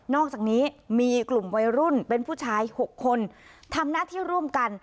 อกจากนี้มีกลุ่มวัยรุ่นเป็นผู้ชาย๖คนทำหน้าที่ร่วมกัน